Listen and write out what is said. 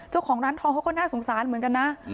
เจ้าของร้านทองเขาก็น่าสงสารเหมือนกันนะ